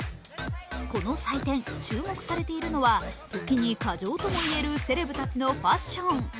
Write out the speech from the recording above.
この祭典、注目されているのは時に過剰ともいえるセレブたちのファッション。